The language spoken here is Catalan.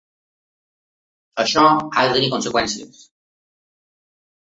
Això ha de tenir conseqüències.